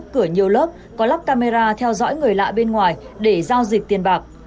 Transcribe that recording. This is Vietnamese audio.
cửa nhiều lớp có lắp camera theo dõi người lạ bên ngoài để giao dịch tiền bạc